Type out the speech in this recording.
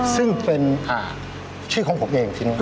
ซึ่งเป็นชื่อของผมเองที่นี่